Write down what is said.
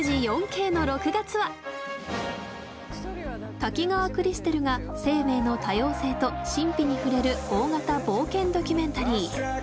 滝川クリステルが生命の多様性と神秘に触れる大型冒険ドキュメンタリー。